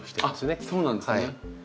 あっそうなんですね。